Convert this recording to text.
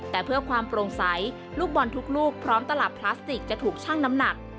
แต่เพื่อความโปร่งใสลูกบอลทุกลูกพร้อมตลับพลาสติกจะถูกชั่งน้ำหนัก